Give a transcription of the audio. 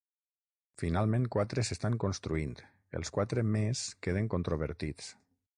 Finalment quatre s'estan construint, els quatre més queden controvertits.